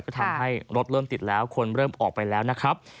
ก็ทำให้รถเริ่มติดแล้วคนเริ่มออกไปแล้วนะครับ